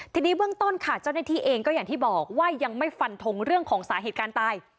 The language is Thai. ทีนี้เบื้องต้นค่ะเจ้าหน้าที่เองก็อย่างที่บอกว่ายังไม่ฟันทงเรื่องของสาเหตุการณ์ตาย